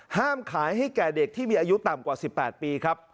ห้ามขายให้แก่เด็กที่มีอายุต่ำกว่า๑๘ปีครับ